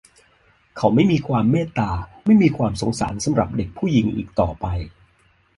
เขาไม่มีความเมตตาไม่มีความสงสารสำหรับเด็กผู้หญิงอีกต่อไป